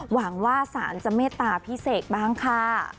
หวังว่าสารจะเมตตาพิเศษบ้างค่ะ